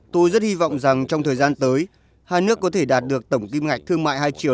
tôi rất hy vọng rằng trong thời gian tới hai nước có thể đạt được tổng kim ngạch thương mại hai triệu